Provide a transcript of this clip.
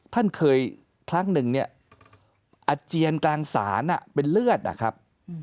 ท่านเคยครั้งหนึ่งเนี่ยอาเจียนกลางศาลเป็นเลือดนะครับ